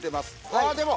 ああでも。